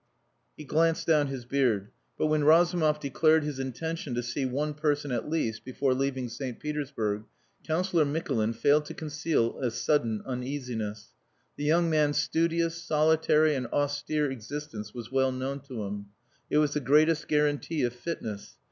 He glanced down his beard; but when Razumov declared his intention to see one person at least before leaving St. Petersburg, Councillor Mikulin failed to conceal a sudden uneasiness. The young man's studious, solitary, and austere existence was well known to him. It was the greatest guarantee of fitness.